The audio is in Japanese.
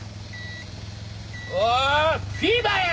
おおフィーバーや！